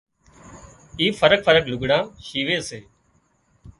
اي فرق فرق لگھڙان شيوي سي